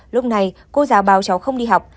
lúc này cô giáo báo cháu không đi học